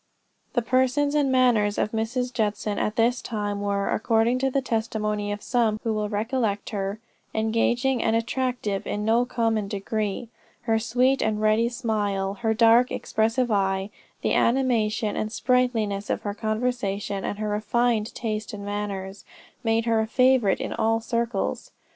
The person and manners of Mrs. Judson at this time, were, according to the testimony of some who well recollect her, engaging and attractive in no common degree. Her sweet and ready smile, her dark expressive eye, the animation and sprightliness of her conversation, and her refined taste and manners, made her a favorite in all circles.